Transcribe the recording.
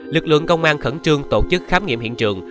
lực lượng công an khẩn trương tổ chức khám nghiệm hiện trường